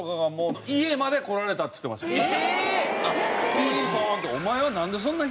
ピンポーンって。